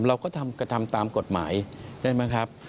เราก็ทำตามกฎหมายได้ไหมครับ